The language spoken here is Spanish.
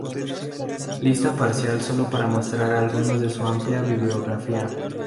Lista parcial solo para mostrar algunos de su amplia bibliografía.